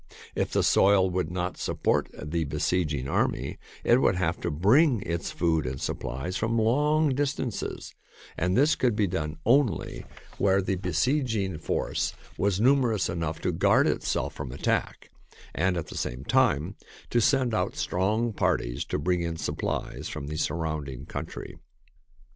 If the soil would not support the besieging army, it would have to bring its food and supplies from long distances, and this could be done only where the besieging THE TAKING OF CITIES force was numerous enough to guard itself from attack and at the same time to send out strong parties to bring in supplies from the surrounding country.